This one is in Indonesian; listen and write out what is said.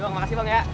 yuk makasih bang ya